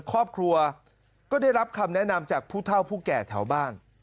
ครอบครัวก็ได้รับคำแนะนำจากผู้เท่าผู้แก่แถวบ้าน